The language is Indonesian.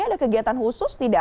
ada kegiatan khusus tidak